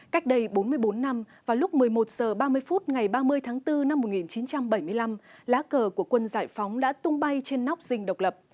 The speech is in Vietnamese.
cách đây bốn mươi bốn năm vào lúc một mươi một h ba mươi phút ngày ba mươi tháng bốn năm một nghìn chín trăm bảy mươi năm lá cờ của quân giải phóng đã tung bay trên nóc rình độc lập